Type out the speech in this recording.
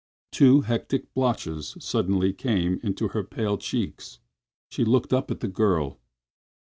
Two hectic blotches came suddenly into her pale cheeks. She looked up at the girl.